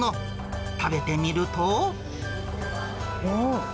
食べてみると。